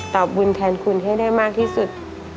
บุญแทนคุณให้ได้มากที่สุด